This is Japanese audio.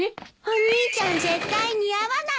お兄ちゃん絶対似合わないわ。